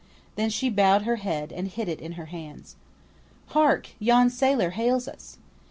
Then she bowed her head and hid it in her hands. "Hark! yon sailor hails us."